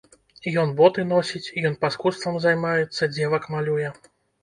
Ён боты носіць, ён паскудствам займаецца, дзевак малюе.